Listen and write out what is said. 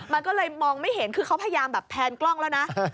มันก็เลยมองไม่เห็นคือเขาพยายามแบบแพนกล้องแล้วนะ